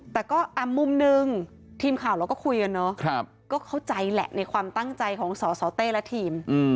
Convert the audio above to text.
แต่ก็มุมหนึ่งทีมข่าวเราก็คุยกันเนาะก็เข้าใจแหละในความตั้งใจของสสเต้และทีม